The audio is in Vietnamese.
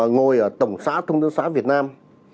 ngồi ở tổng xã thông nước xã việt nam